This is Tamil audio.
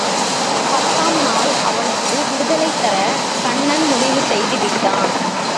பத்தாம் நாள் அவனுக்கு விடுதலை தரக் கண்ணன் முடிவு செய்துவிட்டான்.